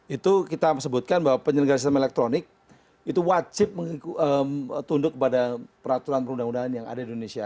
itu kita sebutkan bahwa penyelenggara sistem elektronik itu wajib tunduk kepada peraturan perundang undangan yang ada di indonesia